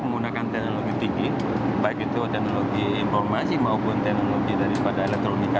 menggunakan teknologi tinggi baik itu teknologi informasi maupun teknologi daripada elektronika